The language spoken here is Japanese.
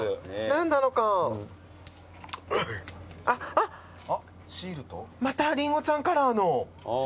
あっまたりんごちゃんカラーの。